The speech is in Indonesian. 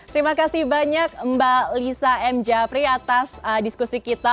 terima kasih banyak mbak lisa m japri atas diskusi kita